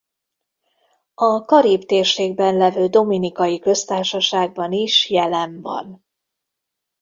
A Karib-térségben levő Dominikai Köztársaságban is jelen van.